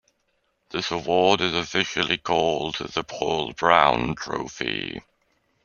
This award is officially called the Paul Brown Trophy.